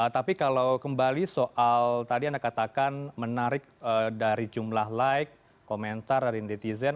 tapi kalau kembali soal tadi anda katakan menarik dari jumlah like komentar dari netizen